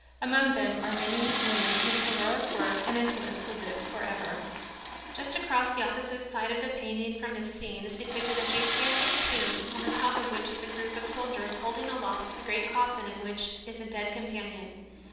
Among them are many women whose heroic work and influence will live forever. Just across on the opposite side of the painting from this scene is depicted a gigantic tomb on the top of which is a group of soldiers holding aloft a great coffin in which is a dead companion.